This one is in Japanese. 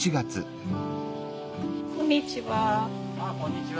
こんにちは！